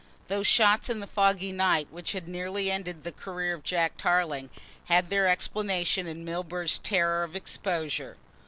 Those shots in the foggy night which had nearly ended the career of Jack Tarling had their explanation in Milburgh's terror of exposure.